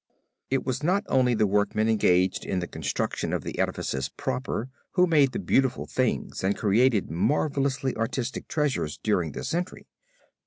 It was not only the workmen engaged in the construction of the edifices proper who made the beautiful things and created marvelously artistic treasures during this century.